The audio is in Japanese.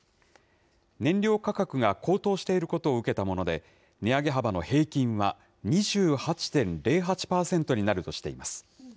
燃料価格が高騰していることを受けたもので、値上げ幅の平均は２８．０８％になるとしています。